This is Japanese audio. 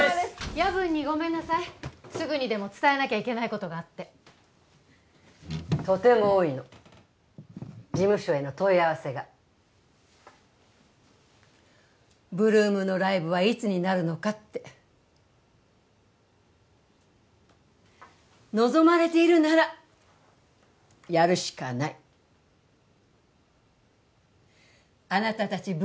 夜分にごめんなさいすぐにでも伝えなきゃいけないことがあってとても多いの事務所への問い合わせが８ＬＯＯＭのライブはいつになるのかって望まれているならやるしかないあなた達８